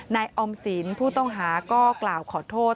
ออมสินผู้ต้องหาก็กล่าวขอโทษ